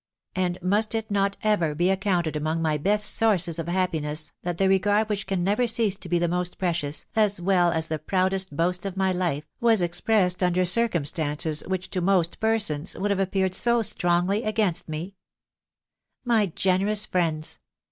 And must it not ever be accounted among my best sources of happiness, that the regard which can never cease to be the most precious, as well as the proudest boast of my life, was expressed under circumstances which to most persona would have appeared so %\xg&$^ ^aasxtofe? THH WIDOW BARNABY. 403 u My generous friends